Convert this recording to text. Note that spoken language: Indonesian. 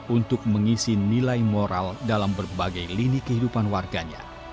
untuk mengisi nilai moral dalam berbagai lini kehidupan warganya